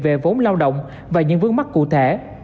về vốn lao động và những vướng mắt cụ thể